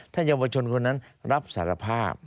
ถ้าเยาวชนคนนั้นรับสารภาพ